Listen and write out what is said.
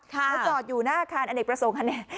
เขาจอดอยู่หน้าอาคารอเนกประสงค์คันนี้